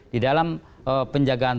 di dalam penjagaan